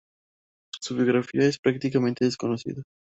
Su biografía es prácticamente desconocida.